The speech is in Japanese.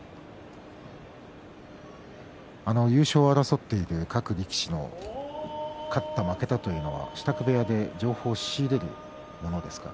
優勝を争っている各力士の勝った負けたというのは支度部屋で情報を仕入れるものですか？